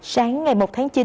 sáng ngày một tháng chín